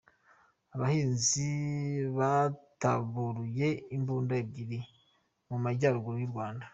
Abahinzi bataburuye imbunda ebyiri mumajyaruguru y’u Rwanda